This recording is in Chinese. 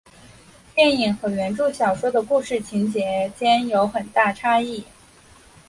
电影和原着小说的故事情节间有很大差异。